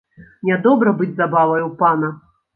Нядобра быць забавай у пана.